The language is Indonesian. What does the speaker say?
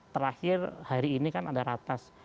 terakhir hari ini kan ada ratas